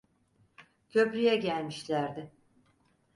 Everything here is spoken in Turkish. Köprü’ye gelmişlerdi.